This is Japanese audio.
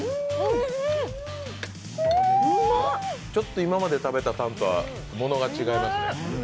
今まで食べたタンとはものが違いますね。